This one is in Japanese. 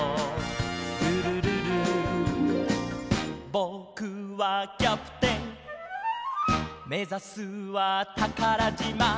「ぼくはキャプテンめざすはたからじま」